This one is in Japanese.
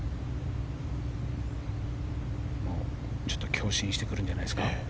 強振してくるんじゃないですか。